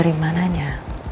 terus letak dari mananya